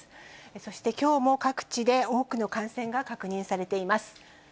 そしてきょうも各地で多くの感染が確認されています。